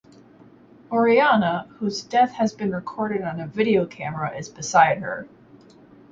Orianna, whose death has been recorded on a video camera, is beside her.